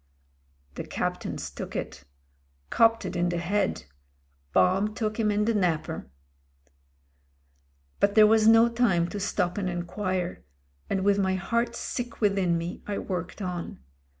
"The Captain's took it. Copped it in the head. Bomb took him in the napper." But there was no time to stop and enquire, and with my heart sick within me I worked on.